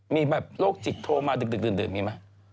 มีแบบโรคจิตโทมาดึกมีมั้ย